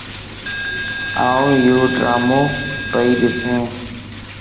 آن ايوڊرامو پيئي ڏسين